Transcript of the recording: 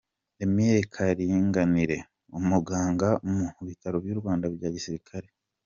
Emile Kalinganire, umuganga mu bitaro by’u Rwanda bya gisirikare.